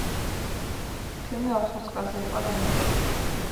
ფილმი ოთხ ოსკარზე იყო ნომინირებული.